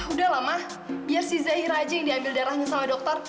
udah lama biar si zahira aja yang diambil darahnya sama dokter